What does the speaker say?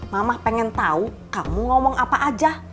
mama pengen tahu kamu ngomong apa aja